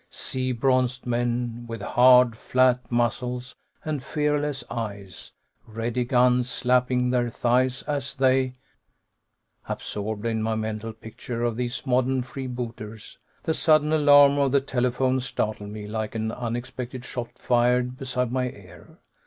Sea bronzed men, with hard, flat muscles and fearless eyes; ready guns slapping their thighs as they Absorbed in my mental picture of these modern free booters, the sudden alarm of the telephone startled me like an unexpected shot fired beside my ear.